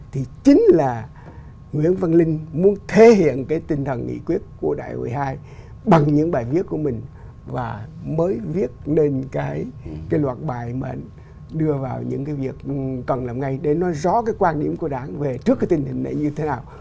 thì chính là nguyễn văn linh muốn thể hiện cái tinh thần nghị quyết của đại hội hai bằng những bài viết của mình và mới viết nên cái loạt bài mà đưa vào những cái việc cần làm ngay để nói rõ cái quan điểm của đảng về trước cái tình hình này như thế nào